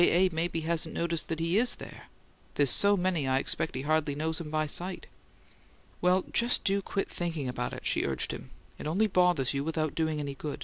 A. maybe hasn't noticed that he IS there. There's so many I expect he hardly knows him by sight." "Well, just do quit thinking about it," she urged him. "It only bothers you without doing any good.